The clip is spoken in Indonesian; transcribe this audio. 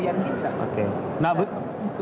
kita harus memiliki kekuatan yang lebih baik